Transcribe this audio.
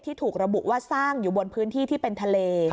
ถูกระบุว่าสร้างอยู่บนพื้นที่ที่เป็นทะเล